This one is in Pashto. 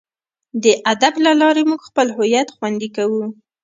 د ادب له لارې موږ خپل هویت خوندي کوو.